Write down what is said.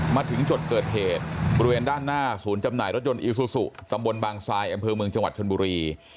มาถึงจุดเกิดเหตุบริเวณด้านหน้าศูนย์จำหน่ายรถยนต์อีซูซูตำบลบางทรายอำเภอเมืองจังหวัดชนบุรี